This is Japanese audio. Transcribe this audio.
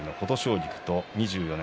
菊２４年